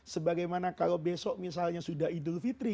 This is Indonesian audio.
sebagaimana kalau besok misalnya sudah idul fitri